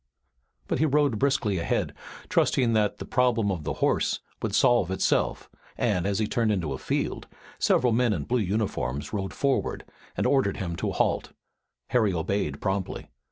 But he rode briskly ahead, trusting that the problem of the horse would solve itself, and, as he turned a field, several men in blue uniforms rode forward and ordered him to halt. Harry obeyed promptly.